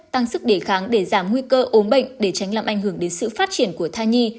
tăng sức đề kháng để giảm nguy cơ ốm bệnh để tránh làm ảnh hưởng đến sự phát triển của thai nhi